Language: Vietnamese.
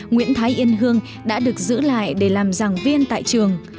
nguyễn thái yên hương đã được giữ lại để làm giảng viên tại trường